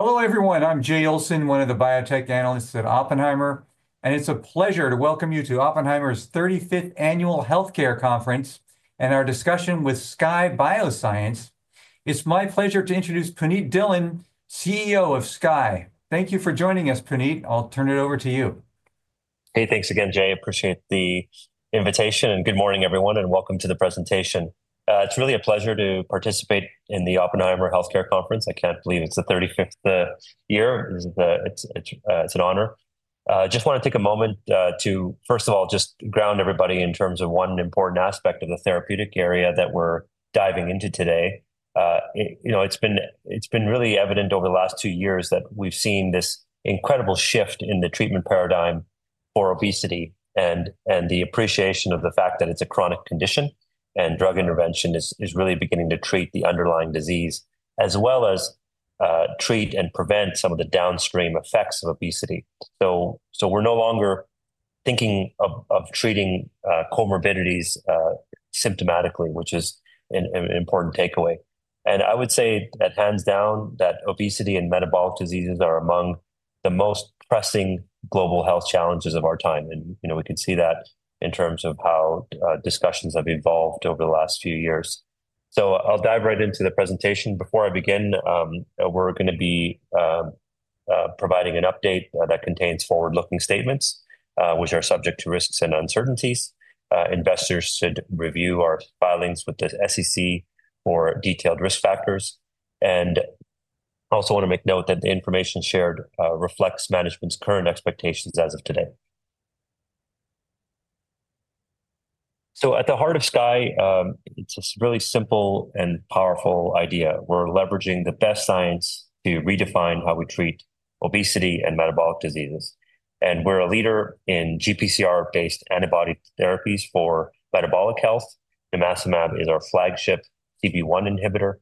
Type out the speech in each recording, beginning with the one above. Hello, everyone. I'm Jay Olson, one of the biotech analysts at Oppenheimer, and it's a pleasure to welcome you to Oppenheimer's 35th Annual Healthcare Conference and our discussion with Skye Bioscience. It's my pleasure to introduce Punit Dhillon, CEO of Skye. Thank you for joining us, Punit. I'll turn it over to you. Hey, thanks again, Jay. I appreciate the invitation, and good morning, everyone, and welcome to the presentation. It's really a pleasure to participate in the Oppenheimer Healthcare Conference. I can't believe it's the 35th year. It's an honor. I just want to take a moment to, first of all, just ground everybody in terms of one important aspect of the therapeutic area that we're diving into today. You know, it's been really evident over the last two years that we've seen this incredible shift in the treatment paradigm for obesity and the appreciation of the fact that it's a chronic condition, and drug intervention is really beginning to treat the underlying disease as well as treat and prevent some of the downstream effects of obesity. We're no longer thinking of treating comorbidities symptomatically, which is an important takeaway. I would say that hands down that obesity and metabolic diseases are among the most pressing global health challenges of our time. We can see that in terms of how discussions have evolved over the last few years. I'll dive right into the presentation. Before I begin, we're going to be providing an update that contains forward-looking statements, which are subject to risks and uncertainties. Investors should review our filings with the SEC for detailed risk factors. I also want to make note that the information shared reflects management's current expectations as of today. At the heart of Skye, it's a really simple and powerful idea. We're leveraging the best science to redefine how we treat obesity and metabolic diseases. We're a leader in GPCR-based antibody therapies for metabolic health. Nimacimab is our flagship CB1 inhibitor.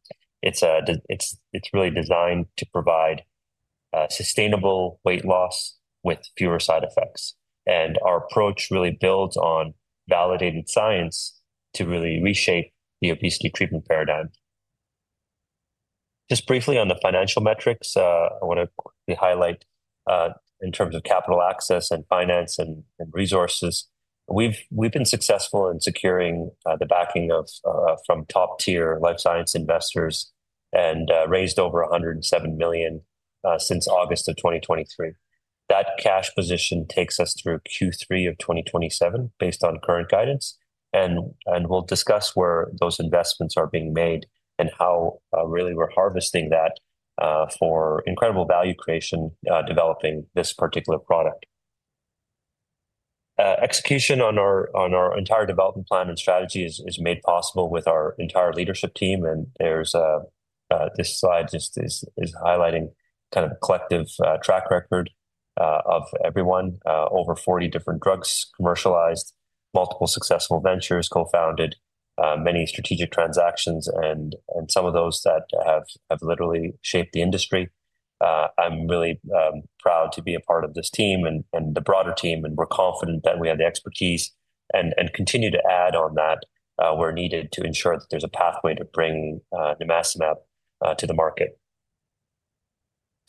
It's really designed to provide sustainable weight loss with fewer side effects. Our approach really builds on validated science to really reshape the obesity treatment paradigm. Just briefly on the financial metrics, I want to quickly highlight in terms of capital access and finance and resources. We've been successful in securing the backing from top-tier life science investors and raised over $107 million since August of 2023. That cash position takes us through Q3 of 2027 based on current guidance. We'll discuss where those investments are being made and how really we're harvesting that for incredible value creation developing this particular product. Execution on our entire development plan and strategy is made possible with our entire leadership team. This slide just is highlighting kind of a collective track record of everyone, over 40 different drugs commercialized, multiple successful ventures co-founded, many strategic transactions, and some of those that have literally shaped the industry. I'm really proud to be a part of this team and the broader team. We're confident that we have the expertise and continue to add on that where needed to ensure that there's a pathway to bring nimacimab to the market.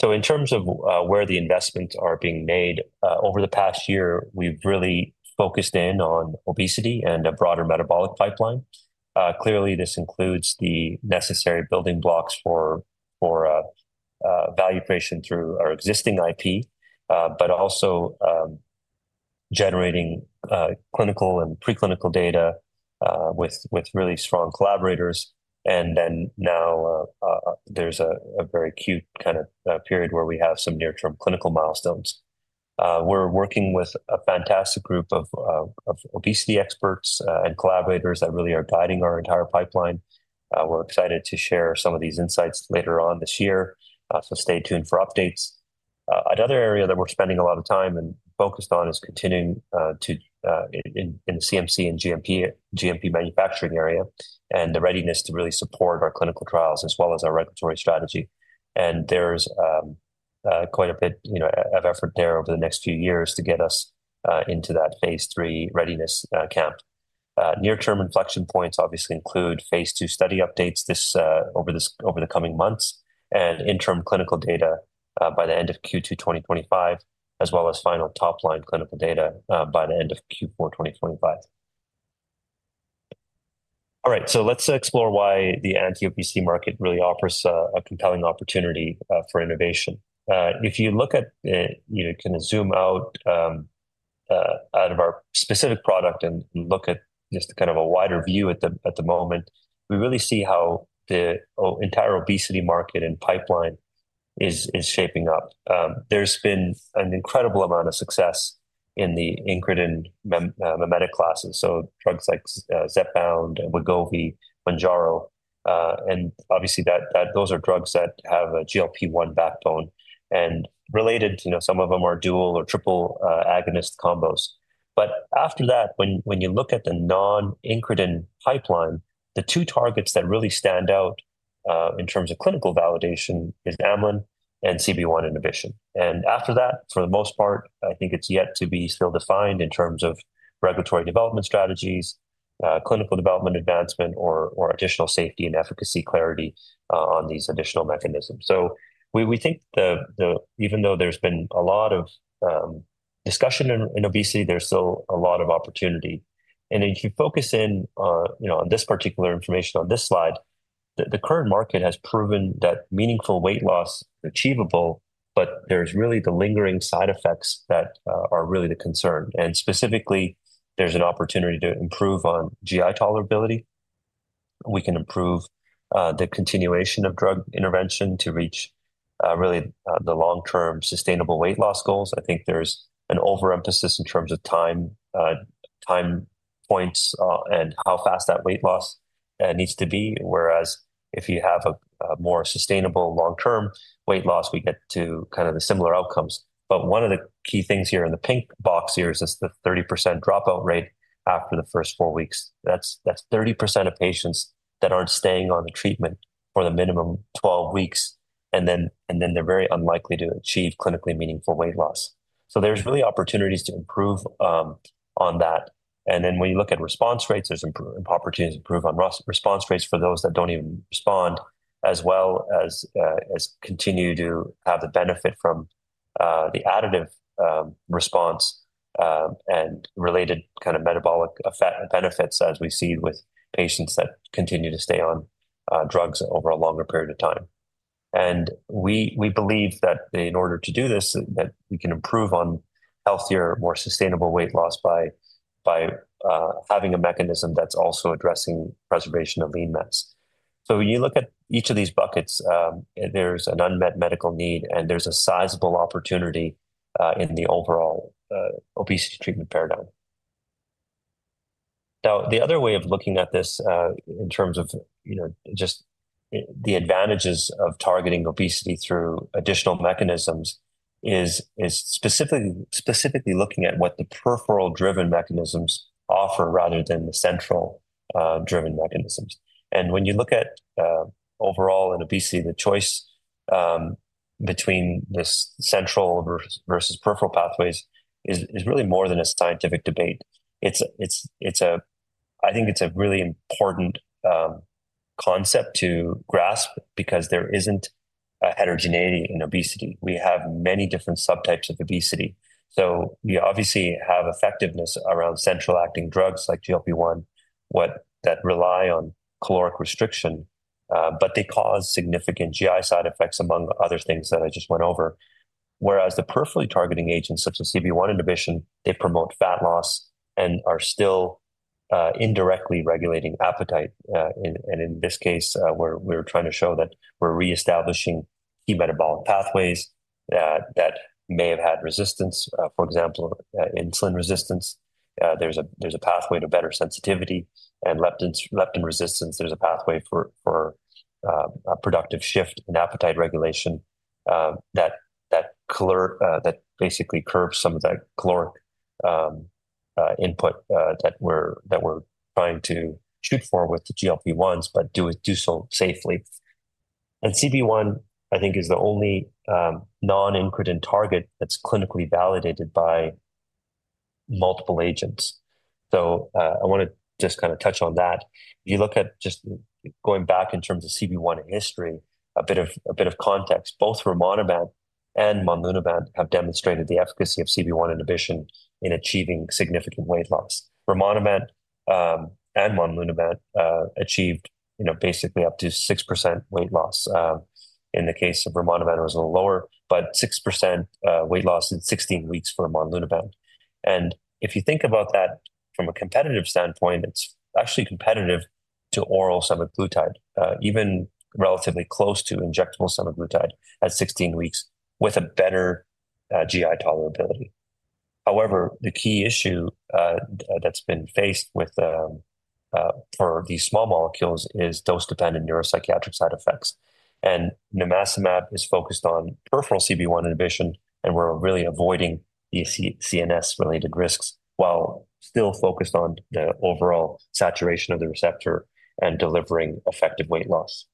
In terms of where the investments are being made, over the past year, we've really focused in on obesity and a broader metabolic pipeline. Clearly, this includes the necessary building blocks for value creation through our existing IP, but also generating clinical and preclinical data with really strong collaborators. Now there's a very acute kind of period where we have some near-term clinical milestones. We're working with a fantastic group of obesity experts and collaborators that really are guiding our entire pipeline. We're excited to share some of these insights later on this year. Stay tuned for updates. Another area that we're spending a lot of time and focused on is continuing in the CMC and GMP manufacturing area and the readiness to really support our clinical trials as well as our regulatory strategy. There's quite a bit of effort there over the next few years to get us into that Phase 3 readiness camp. Near-term inflection points obviously include Phase 2 study updates over the coming months and interim clinical data by the end of Q2 2025, as well as final top-line clinical data by the end of Q4 2025. All right, let's explore why the anti-obesity market really offers a compelling opportunity for innovation. If you look at, you can zoom out of our specific product and look at just kind of a wider view at the moment, we really see how the entire obesity market and pipeline is shaping up. There's been an incredible amount of success in the incretin mimetic classes, so drugs like Zepbound, Wegovy, Mounjaro. Obviously, those are drugs that have a GLP-1 backbone and related, some of them are dual or triple agonist combos. After that, when you look at the non-incretin pipeline, the two targets that really stand out in terms of clinical validation are amylin and CB1 inhibition. After that, for the most part, I think it's yet to be still defined in terms of regulatory development strategies, clinical development advancement, or additional safety and efficacy clarity on these additional mechanisms. We think that even though there's been a lot of discussion in obesity, there's still a lot of opportunity. If you focus in on this particular information on this slide, the current market has proven that meaningful weight loss is achievable, but there's really the lingering side effects that are really the concern. Specifically, there's an opportunity to improve on GI tolerability. We can improve the continuation of drug intervention to reach really the long-term sustainable weight loss goals. I think there's an overemphasis in terms of time points and how fast that weight loss needs to be, whereas if you have a more sustainable long-term weight loss, we get to kind of the similar outcomes. One of the key things here in the pink box here is the 30% dropout rate after the first four weeks. That's 30% of patients that aren't staying on the treatment for the minimum 12 weeks, and then they're very unlikely to achieve clinically meaningful weight loss. There are really opportunities to improve on that. When you look at response rates, there's opportunities to improve on response rates for those that don't even respond, as well as continue to have the benefit from the additive response and related kind of metabolic benefits as we see with patients that continue to stay on drugs over a longer period of time. We believe that in order to do this, we can improve on healthier, more sustainable weight loss by having a mechanism that's also addressing preservation of lean mass. When you look at each of these buckets, there's an unmet medical need, and there's a sizable opportunity in the overall obesity treatment paradigm. Now, the other way of looking at this in terms of just the advantages of targeting obesity through additional mechanisms is specifically looking at what the peripheral-driven mechanisms offer rather than the central-driven mechanisms. When you look at overall in obesity, the choice between the central versus peripheral pathways is really more than a scientific debate. I think it's a really important concept to grasp because there is a heterogeneity in obesity. We have many different subtypes of obesity. We obviously have effectiveness around central acting drugs like GLP-1 that rely on caloric restriction, but they cause significant GI side effects among other things that I just went over. Whereas the peripherally targeting agents, such as CB1 inhibition, they promote fat loss and are still indirectly regulating appetite. In this case, we're trying to show that we're reestablishing key metabolic pathways that may have had resistance, for example, insulin resistance. There's a pathway to better sensitivity and leptin resistance. There's a pathway for a productive shift in appetite regulation that basically curbs some of that caloric input that we're trying to shoot for with the GLP-1s, but do so safely. CB1, I think, is the only non-incretin target that's clinically validated by multiple agents. I want to just kind of touch on that. If you look at just going back in terms of CB1 history, a bit of context, both rimonabant and monlunabant have demonstrated the efficacy of CB1 inhibition in achieving significant weight loss. Rimonabant and monlunabant achieved basically up to 6% weight loss. In the case of rimonabant, it was a little lower, but 6% weight loss in 16 weeks for monlunabant. If you think about that from a competitive standpoint, it's actually competitive to oral semaglutide, even relatively close to injectable semaglutide at 16 weeks with a better GI tolerability. However, the key issue that's been faced for these small molecules is dose-dependent neuropsychiatric side effects. Nimacimab is focused on peripheral CB1 inhibition, and we're really avoiding the CNS-related risks while still focused on the overall saturation of the receptor and delivering effective weight loss.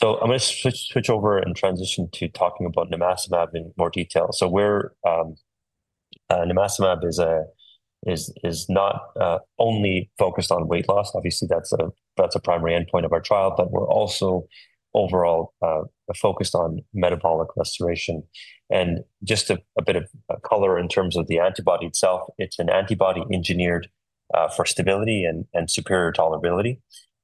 I'm going to switch over and transition to talking about nimacimab in more detail. Nimacimab is not only focused on weight loss. Obviously, that's a primary endpoint of our trial, but we're also overall focused on metabolic restoration. Just a bit of color in terms of the antibody itself, it's an antibody engineered for stability and superior tolerability.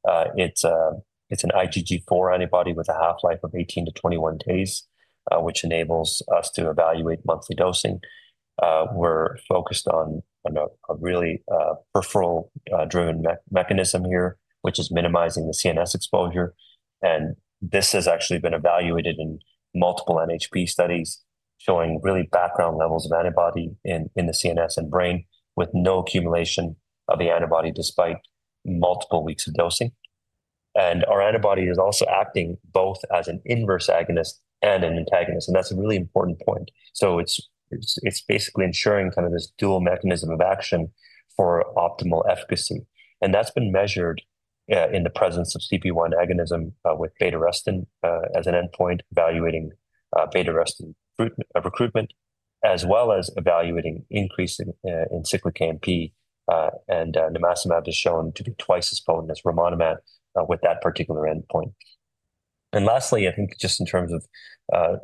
It's an IgG4 antibody with a half-life of 18 to 21 days, which enables us to evaluate monthly dosing. We're focused on a really peripheral-driven mechanism here, which is minimizing the CNS exposure. This has actually been evaluated in multiple NHP studies showing really background levels of antibody in the CNS and brain with no accumulation of the antibody despite multiple weeks of dosing. Our antibody is also acting both as an inverse agonist and an antagonist. That's a really important point. It's basically ensuring kind of this dual mechanism of action for optimal efficacy. That's been measured in the presence of CB1 agonism with beta-arrestin as an endpoint, evaluating beta-arrestin recruitment, as well as evaluating increase in cyclic AMP. Nimacimab is shown to be twice as potent as rimonabant with that particular endpoint. Lastly, I think just in terms of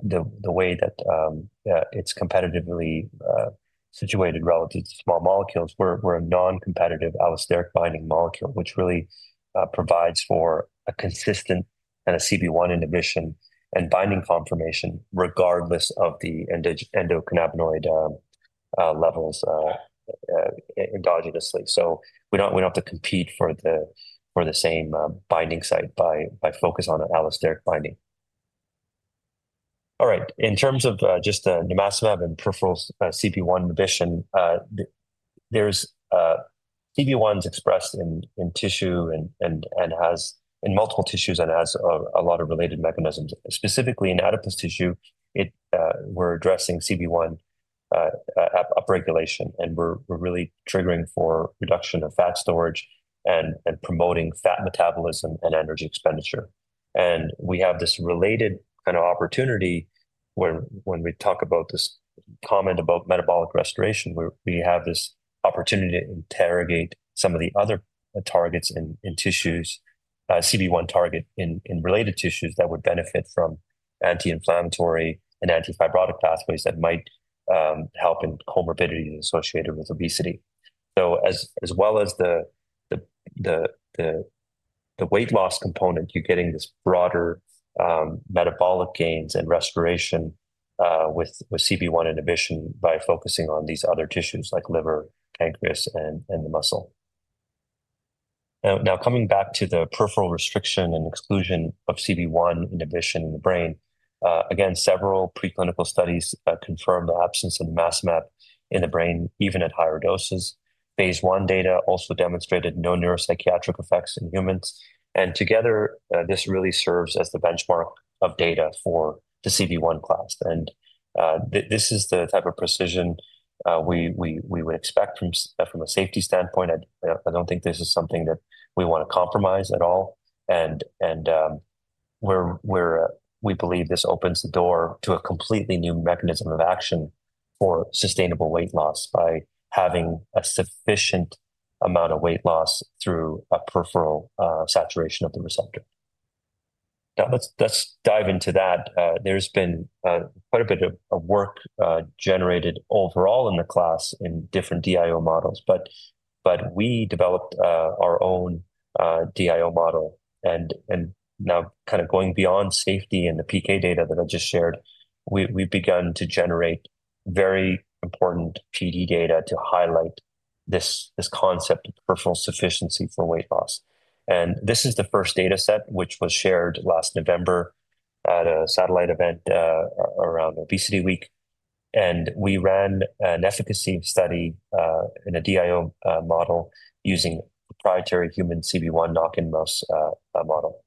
the way that it's competitively situated relative to small molecules, we're a non-competitive allosteric binding molecule, which really provides for a consistent kind of CB1 inhibition and binding formation regardless of the endocannabinoid levels endogenously. We do not have to compete for the same binding site by focus on allosteric binding. All right, in terms of just nimacimab and peripheral CB1 inhibition, CB1 is expressed in tissue and has in multiple tissues and has a lot of related mechanisms. Specifically in adipose tissue, we're addressing CB1 upregulation, and we're really triggering for reduction of fat storage and promoting fat metabolism and energy expenditure. We have this related kind of opportunity when we talk about this comment about metabolic restoration, we have this opportunity to interrogate some of the other targets in tissues, CB1 target in related tissues that would benefit from anti-inflammatory and antifibrotic pathways that might help in comorbidities associated with obesity. As well as the weight loss component, you're getting this broader metabolic gains and restoration with CB1 inhibition by focusing on these other tissues like liver, pancreas, and the muscle. Now, coming back to the peripheral restriction and exclusion of CB1 inhibition in the brain, again, several preclinical studies confirmed the absence of nimacimab in the brain, even at higher doses. Phase 1 data also demonstrated no neuropsychiatric effects in humans. Together, this really serves as the benchmark of data for the CB1 class. This is the type of precision we would expect from a safety standpoint. I don't think this is something that we want to compromise at all. We believe this opens the door to a completely new mechanism of action for sustainable weight loss by having a sufficient amount of weight loss through a peripheral saturation of the receptor. Now, let's dive into that. There's been quite a bit of work generated overall in the class in different DIO models, but we developed our own DIO model. Now, kind of going beyond safety and the PK data that I just shared, we've begun to generate very important PD data to highlight this concept of peripheral sufficiency for weight loss. This is the first data set, which was shared last November at a satellite event around ObesityWeek. We ran an efficacy study in a DIO model using a proprietary human CB1 knock-in mouse model.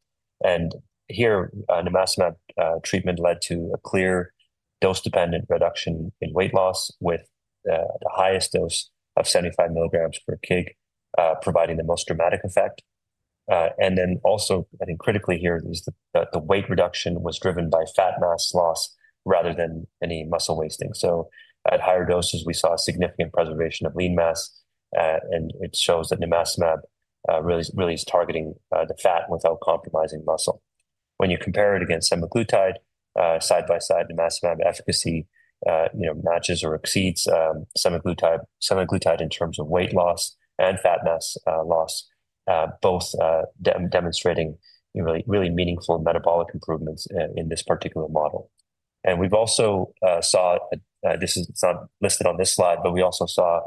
Here, nimacimab treatment led to a clear dose-dependent reduction in weight loss, with the highest dose of 75 milligrams per kg providing the most dramatic effect. I think critically here, the weight reduction was driven by fat mass loss rather than any muscle wasting. At higher doses, we saw significant preservation of lean mass, and it shows that nimacimab really is targeting the fat without compromising muscle. When you compare it against semaglutide side by side, nimacimab efficacy matches or exceeds semaglutide in terms of weight loss and fat mass loss, both demonstrating really meaningful metabolic improvements in this particular model. We also saw, this is not listed on this slide, but we also saw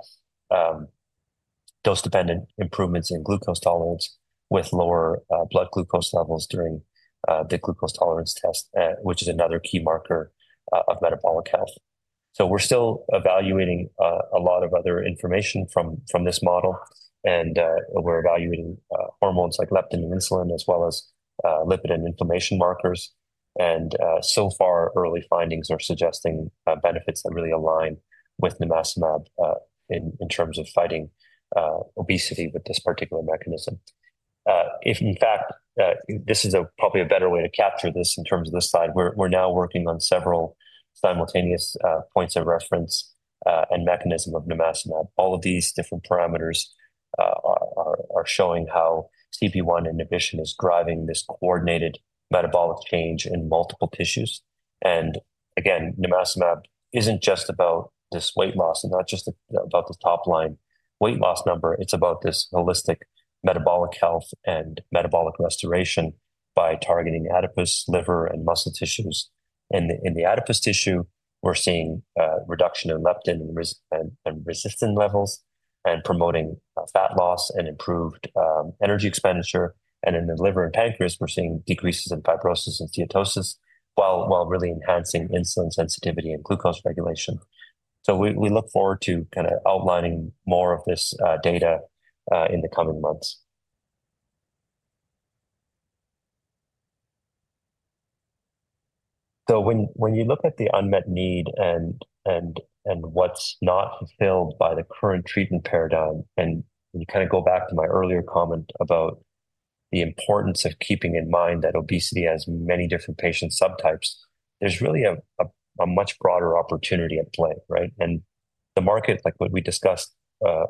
dose-dependent improvements in glucose tolerance with lower blood glucose levels during the glucose tolerance test, which is another key marker of metabolic health. We are still evaluating a lot of other information from this model, and we are evaluating hormones like leptin and insulin, as well as lipid and inflammation markers. So far, early findings are suggesting benefits that really align with nimacimab in terms of fighting obesity with this particular mechanism. In fact, this is probably a better way to capture this in terms of this slide. We are now working on several simultaneous points of reference and mechanism of nimacimab. All of these different parameters are showing how CB1 inhibition is driving this coordinated metabolic change in multiple tissues. Nimacimab isn't just about this weight loss and not just about the top-line weight loss number. It's about this holistic metabolic health and metabolic restoration by targeting adipose, liver, and muscle tissues. In the adipose tissue, we're seeing reduction in leptin and resistance levels and promoting fat loss and improved energy expenditure. In the liver and pancreas, we're seeing decreases in fibrosis and steatosis while really enhancing insulin sensitivity and glucose regulation. We look forward to kind of outlining more of this data in the coming months. When you look at the unmet need and what's not fulfilled by the current treatment paradigm, and you kind of go back to my earlier comment about the importance of keeping in mind that obesity has many different patient subtypes, there's really a much broader opportunity at play, right? The market, like what we discussed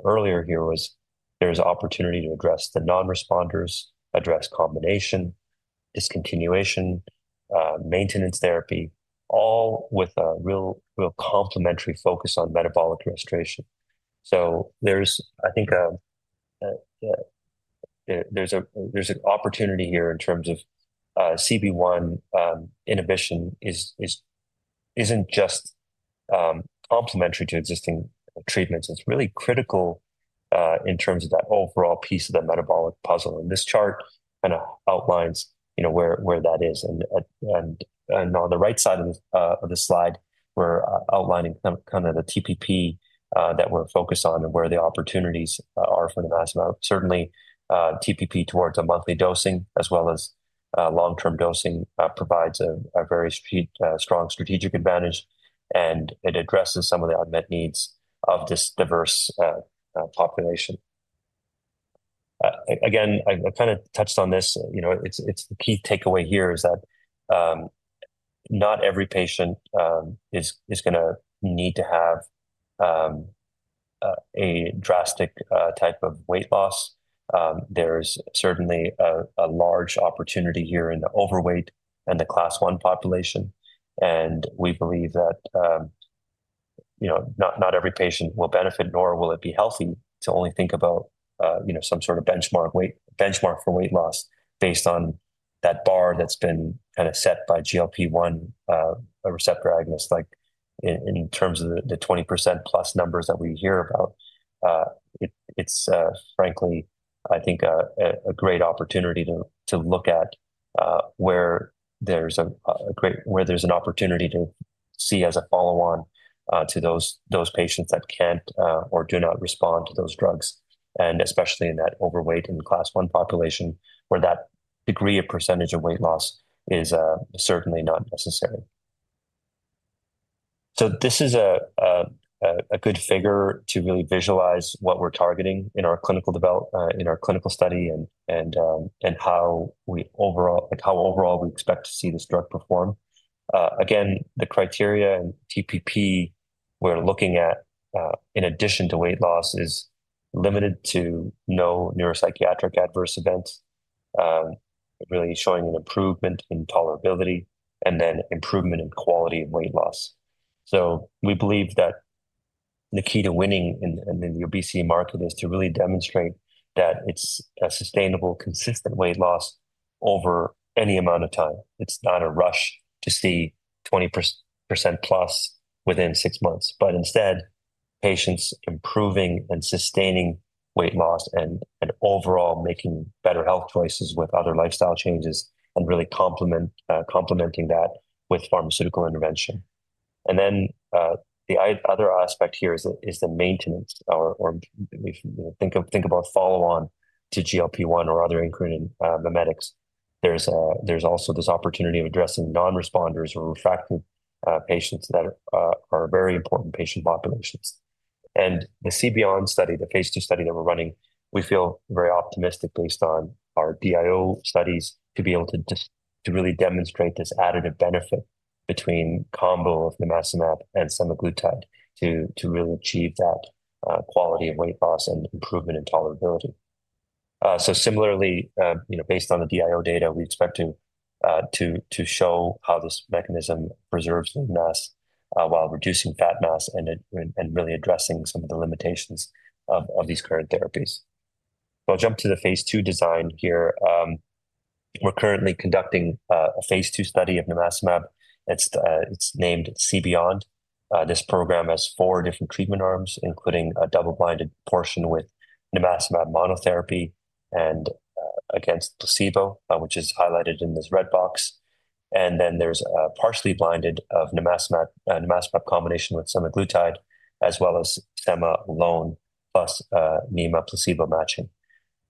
earlier here, was there's opportunity to address the non-responders, address combination, discontinuation, maintenance therapy, all with a real complementary focus on metabolic restoration. There is, I think, an opportunity here in terms of CB1 inhibition isn't just complementary to existing treatments. It's really critical in terms of that overall piece of the metabolic puzzle. This chart kind of outlines where that is. On the right side of the slide, we're outlining kind of the TPP that we're focused on and where the opportunities are for nimacimab. Certainly, TPP towards a monthly dosing, as well as long-term dosing, provides a very strong strategic advantage, and it addresses some of the unmet needs of this diverse population. Again, I kind of touched on this. The key takeaway here is that not every patient is going to need to have a drastic type of weight loss. There is certainly a large opportunity here in the overweight and the Class 1 population. We believe that not every patient will benefit, nor will it be healthy to only think about some sort of benchmark for weight loss based on that bar that has been kind of set by GLP-1 receptor agonist, like in terms of the 20%+ numbers that we hear about. Frankly, I think it is a great opportunity to look at where there is an opportunity to see as a follow-on to those patients that cannot or do not respond to those drugs, especially in that overweight and Class 1 population where that degree of percentage of weight loss is certainly not necessary. This is a good figure to really visualize what we're targeting in our clinical study and how overall we expect to see this drug perform. Again, the criteria and TPP we're looking at, in addition to weight loss, is limited to no neuropsychiatric adverse events, really showing an improvement in tolerability and then improvement in quality of weight loss. We believe that the key to winning in the obesity market is to really demonstrate that it's a sustainable, consistent weight loss over any amount of time. It's not a rush to see 20%+ within six months, but instead, patients improving and sustaining weight loss and overall making better health choices with other lifestyle changes and really complementing that with pharmaceutical intervention. The other aspect here is the maintenance, or think about follow-on to GLP-1 or other incretin mimetics. There's also this opportunity of addressing non-responders or refractive patients that are very important patient populations. The CBeyond study, the Phase 2 study that we're running, we feel very optimistic based on our DIO studies to be able to really demonstrate this additive benefit between combo of nimacimab and semaglutide to really achieve that quality of weight loss and improvement in tolerability. Similarly, based on the DIO data, we expect to show how this mechanism preserves weight loss while reducing fat mass and really addressing some of the limitations of these current therapies. I'll jump to the Phase 2 design here. We're currently conducting a Phase 2 study of nimacimab. It's named CBeyond. This program has four different treatment arms, including a double-blinded portion with nimacimab monotherapy and against placebo, which is highlighted in this red box. There is a partially blinded study of nimacimab combination with semaglutide, as well as semaglutide alone plus nimacimab placebo matching.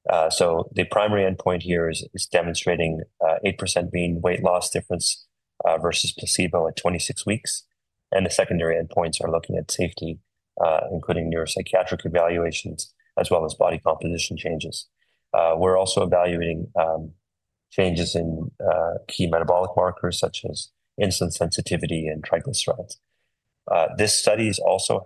The primary endpoint here is demonstrating 8% mean weight loss difference versus placebo at 26 weeks. The secondary endpoints are looking at safety, including neuropsychiatric evaluations, as well as body composition changes. We are also evaluating changes in key metabolic markers such as insulin sensitivity and triglycerides. This study is also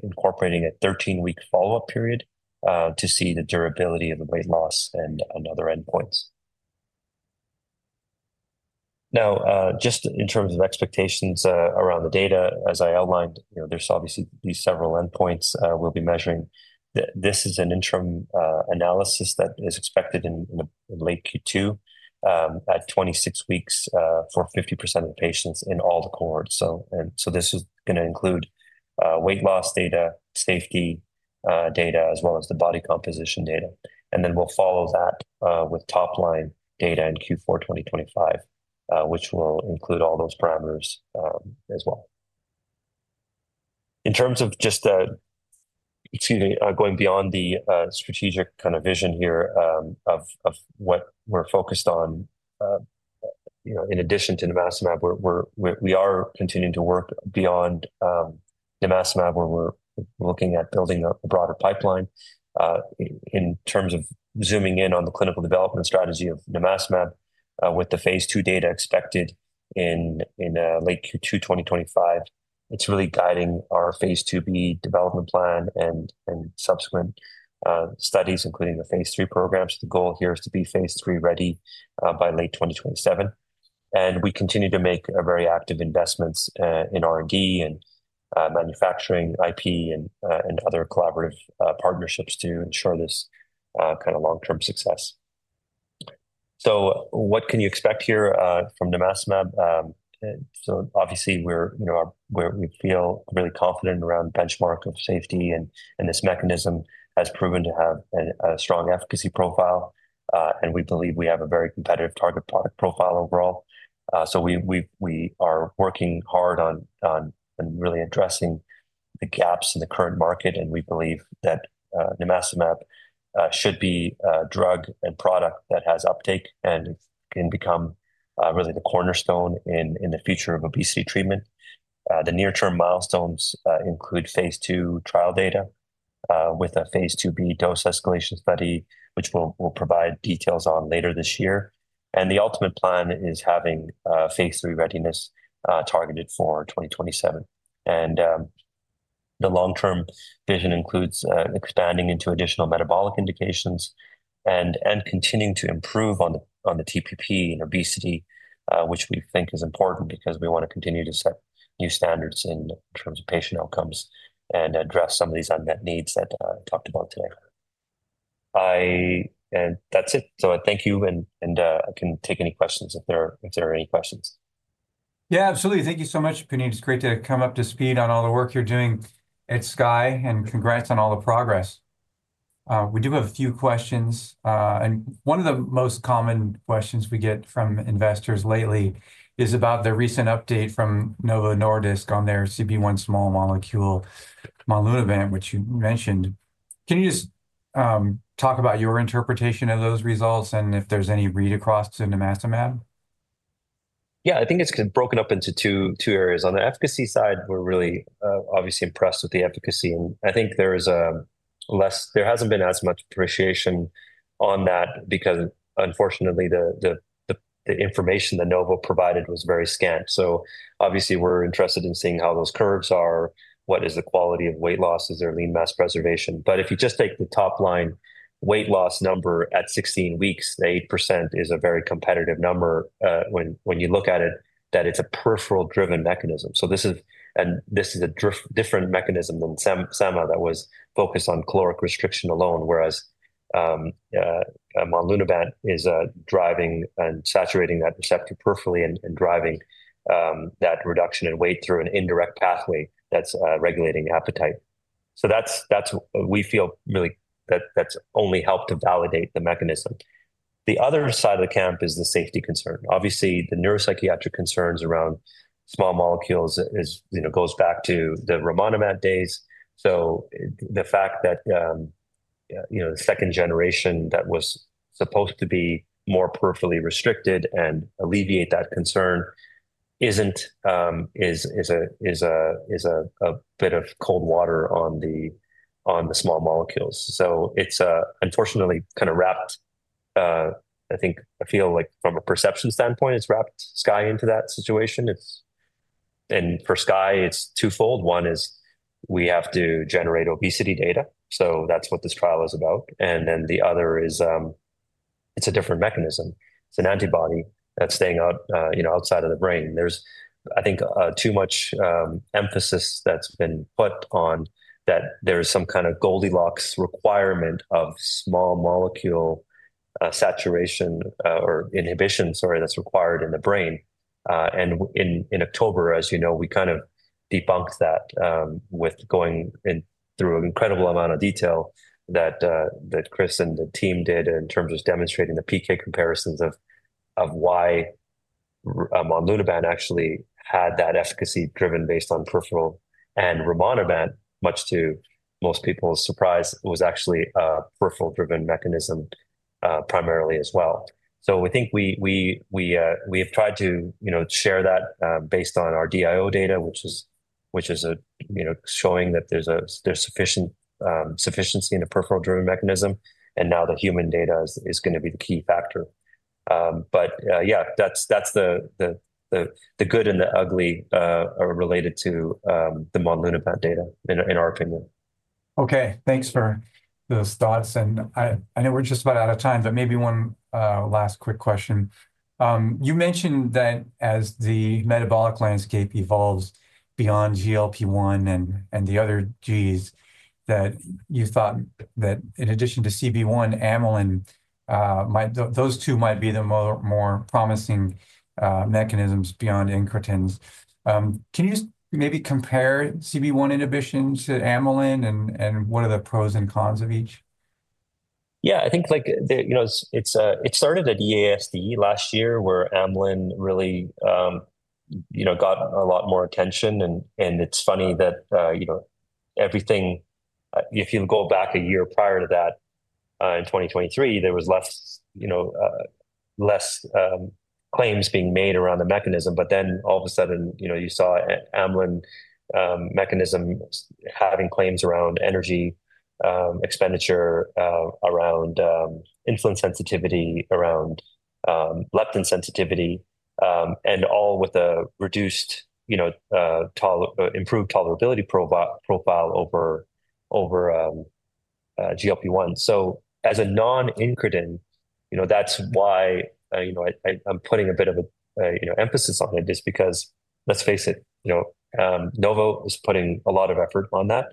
incorporating a 13-week follow-up period to see the durability of weight loss and other endpoints. Now, just in terms of expectations around the data, as I outlined, there are obviously these several endpoints we will be measuring. This is an interim analysis that is expected in late Q2 at 26 weeks for 50% of patients in all the cohorts. This is going to include weight loss data, safety data, as well as the body composition data. We will follow that with top-line data in Q4 2025, which will include all those parameters as well. In terms of just, excuse me, going beyond the strategic kind of vision here of what we're focused on, in addition to nimacimab, we are continuing to work beyond nimacimab where we're looking at building a broader pipeline. In terms of zooming in on the clinical development strategy of nimacimab with the Phase 2 data expected in late Q2 2025, it's really guiding our Phase 2b development plan and subsequent studies, including the Phase 3 programs. The goal here is to be Phase 3 ready by late 2027. We continue to make very active investments in R&D and manufacturing, IP, and other collaborative partnerships to ensure this kind of long-term success. What can you expect here from nimacimab? Obviously, we feel really confident around the benchmark of safety, and this mechanism has proven to have a strong efficacy profile. We believe we have a very competitive target product profile overall. We are working hard on really addressing the gaps in the current market, and we believe that nimacimab should be a drug and product that has uptake and can become really the cornerstone in the future of obesity treatment. The near-term milestones include Phase 2 trial data with a Phase 2b dose escalation study, which we'll provide details on later this year. The ultimate plan is having Phase 3 readiness targeted for 2027. The long-term vision includes expanding into additional metabolic indications and continuing to improve on the TPP and obesity, which we think is important because we want to continue to set new standards in terms of patient outcomes and address some of these unmet needs that I talked about today. That is it. I thank you, and I can take any questions if there are any questions. Yeah, absolutely. Thank you so much, Punit. It is great to come up to speed on all the work you are doing at Skye, and congrats on all the progress. We do have a few questions. One of the most common questions we get from investors lately is about the recent update from Novo Nordisk on their CB1 small molecule, monlunabant, which you mentioned. Can you just talk about your interpretation of those results and if there is any read across to nimacimab? Yeah, I think it's broken up into two areas. On the efficacy side, we're really obviously impressed with the efficacy. I think there hasn't been as much appreciation on that because, unfortunately, the information that Novo provided was very scant. Obviously, we're interested in seeing how those curves are, what is the quality of weight loss, is there lean mass preservation. If you just take the top-line weight loss number at 16 weeks, the 8% is a very competitive number when you look at it, that it's a peripheral-driven mechanism. This is a different mechanism than sema that was focused on caloric restriction alone, whereas monlunabant is driving and saturating that receptor peripherally and driving that reduction in weight through an indirect pathway that's regulating appetite. We feel really that that's only helped to validate the mechanism. The other side of the camp is the safety concern. Obviously, the neuropsychiatric concerns around small molecules go back to the rimonabant days. The fact that the second generation that was supposed to be more peripherally restricted and alleviate that concern is a bit of cold water on the small molecules. It's unfortunately kind of wrapped, I think, I feel like from a perception standpoint, it's wrapped Skye into that situation. For Skye, it's twofold. One is we have to generate obesity data. That's what this trial is about. The other is it's a different mechanism. It's an antibody that's staying outside of the brain. There's, I think, too much emphasis that's been put on that there's some kind of Goldilocks requirement of small molecule saturation or inhibition, sorry, that's required in the brain. In October, as you know, we kind of debunked that with going through an incredible amount of detail that Chris and the team did in terms of demonstrating the PK comparisons of why nimacimab actually had that efficacy driven based on peripheral. And rimonabant, much to most people's surprise, was actually a peripheral-driven mechanism primarily as well. We think we have tried to share that based on our DIO data, which is showing that there's sufficiency in a peripheral-driven mechanism. Now the human data is going to be the key factor. Yeah, that's the good and the ugly related to the nimacimab data, in our opinion. Okay. Thanks for those thoughts. I know we're just about out of time, but maybe one last quick question. You mentioned that as the metabolic landscape evolves beyond GLP-1 and the other Gs, that you thought that in addition to CB1, amylin, those two might be the more promising mechanisms beyond incretins. Can you maybe compare CB1 inhibitions to amylin and what are the pros and cons of each? Yeah, I think it started at EASD last year where amylin really got a lot more attention. It is funny that everything, if you go back a year prior to that, in 2023, there was less claims being made around the mechanism. All of a sudden, you saw amylin mechanism having claims around energy expenditure, around insulin sensitivity, around leptin sensitivity, and all with an improved tolerability profile over GLP-1. As a non-incretin, that is why I am putting a bit of emphasis on it, just because let's face it, Novo is putting a lot of effort on that.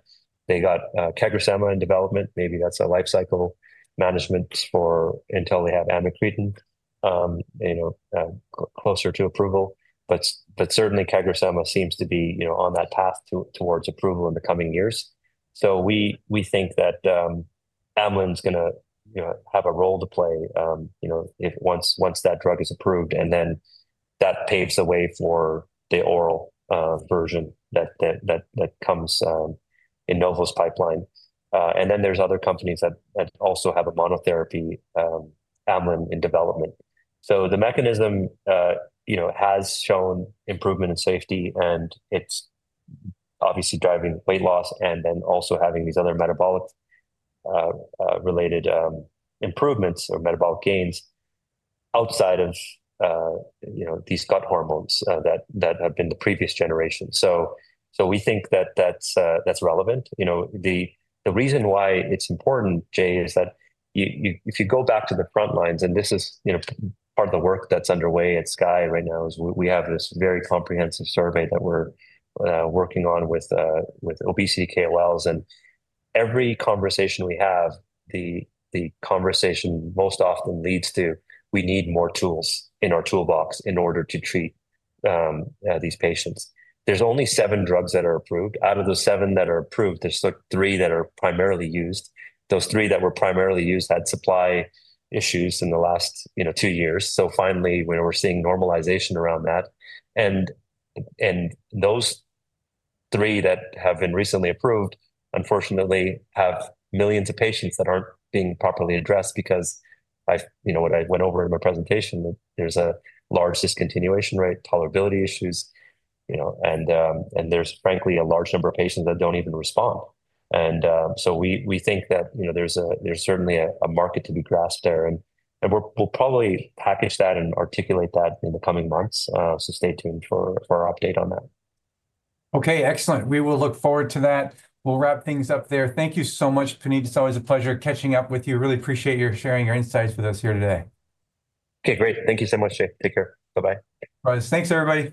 They got CagriSema in development. Maybe that's a life cycle management until they have amycretin closer to approval. Certainly, CagriSema seems to be on that path towards approval in the coming years. We think that amylin is going to have a role to play once that drug is approved. That paves the way for the oral version that comes in Novo's pipeline. There are other companies that also have a monotherapy amylin in development. The mechanism has shown improvement in safety, and it's obviously driving weight loss and also having these other metabolic-related improvements or metabolic gains outside of these gut hormones that have been the previous generation. We think that that's relevant. The reason why it's important, Jay, is that if you go back to the front lines, and this is part of the work that's underway at Skye right now, is we have this very comprehensive survey that we're working on with obesity KOLs. And every conversation we have, the conversation most often leads to, "We need more tools in our toolbox in order to treat these patients." There's only seven drugs that are approved. Out of the seven that are approved, there's three that are primarily used. Those three that were primarily used had supply issues in the last two years. Finally, we're seeing normalization around that. Those three that have been recently approved, unfortunately, have millions of patients that aren't being properly addressed because what I went over in my presentation, there's a large discontinuation rate, tolerability issues, and there's, frankly, a large number of patients that don't even respond. We think that there's certainly a market to be grasped there. We'll probably package that and articulate that in the coming months. Stay tuned for our update on that. Excellent. We will look forward to that. We'll wrap things up there. Thank you so much, Punit. It's always a pleasure catching up with you. Really appreciate your sharing your insights with us here today. Great. Thank you so much, Jay. Take care. Bye-bye. Thanks, everybody.